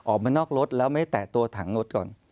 ออกมานอกรถแล้วไม่แตะตัวถังรถก่อน